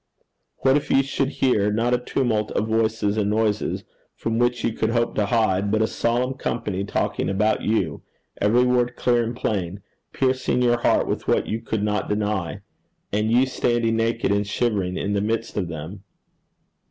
What if you should hear, not a tumult of voices and noises, from which you could hope to hide, but a solemn company talking about you every word clear and plain, piercing your heart with what you could not deny, and you standing naked and shivering in the midst of them?'